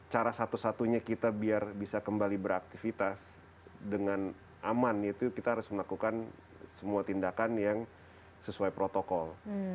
cara satu satunya kita biar bisa kembali beraktivitas dengan aman itu kita harus melakukan semua tindakan yang sesuai protokol